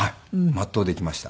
全うできました。